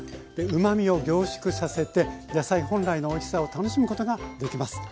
うまみを凝縮させて野菜本来のおいしさを楽しむことができます。